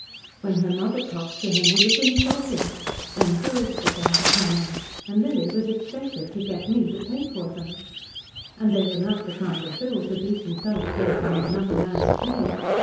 When her mother talked to him he was insulting. Then bills began to come in and Lily was expected to get me to pay them. And they were not the kind of bills a decent fellow calls on another man to pay.